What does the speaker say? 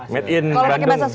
made in bandung pasti